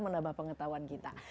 menambah pengetahuan kita